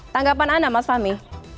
tanggapan anda mas fahmi